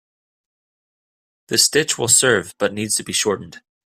The stitch will serve but needs to be shortened.